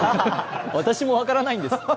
私も分からないんです。